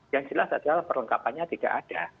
yang jelas adalah perlengkapannya tidak ada